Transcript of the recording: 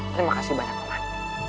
terima kasih banyak paman